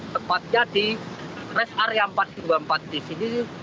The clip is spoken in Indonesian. tepatnya di res area empat ratus dua puluh empat di sini